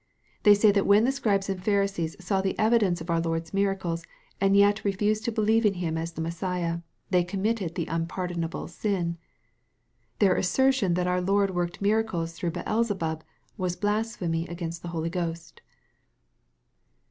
They say that when the Scribes and Pharisees saw the evidence of our Lord's miracles, and yet refused to believe in Him as the Messiah, they committed the unpardonable sin. Their assertion that our Lord worked miracles through Beelzebub, was blasphemy against the Holy Ghost.